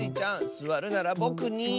すわるならぼくに。